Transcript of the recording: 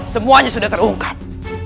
semuanya sudah terungkap